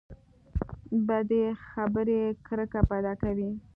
بدې خبرې کرکه پیدا کوي.